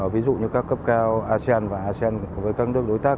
ví dụ như các cấp cao asean và asean với các nước đối tác